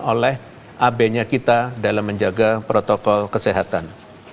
oleh ab nya kita dalam menjaga protokol kesehatan